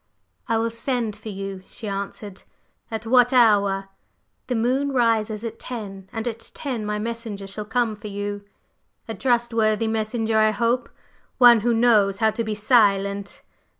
"I will send for you," she answered. "At what hour?" "The moon rises at ten. And at ten my messenger shall come for you." "A trustworthy messenger, I hope? One who knows how to be silent?"